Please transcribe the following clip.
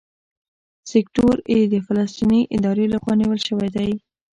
سیکټور اې د فلسطیني ادارې لخوا نیول شوی دی.